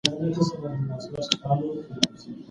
شوقي خود کشي